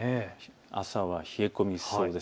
朝は冷え込みそうです。